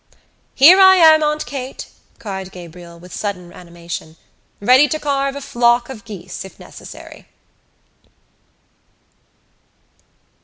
"Here I am, Aunt Kate!" cried Gabriel, with sudden animation, "ready to carve a flock of geese, if necessary."